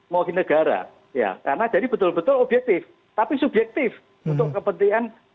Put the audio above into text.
mau di negara ya karena jadi betul betul objektif tapi subjektif untuk kepentingan